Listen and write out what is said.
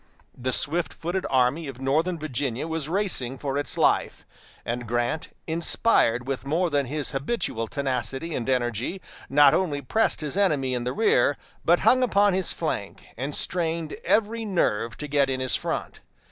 The swift footed Army of Northern Virginia was racing for its life, and Grant, inspired with more than his habitual tenacity and energy, not only pressed his enemy in the rear, but hung upon his flank, and strained every nerve to get in his front.